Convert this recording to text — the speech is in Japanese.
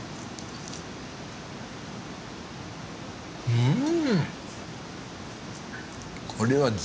うん。